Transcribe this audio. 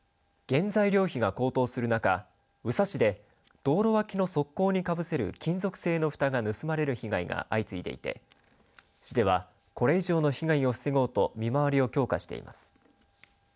原材料費が高騰する中宇佐市で、道路脇の側溝にかぶせる金属製のふたが盗まれる被害が相次いでいて市ではこれ以上の被害を防ごうと見回りを強化しています。